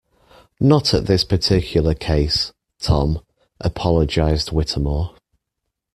Not at this particular case, Tom, apologized Whittemore.